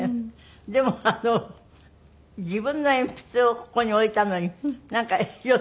でも自分の鉛筆をここに置いたのになんかよ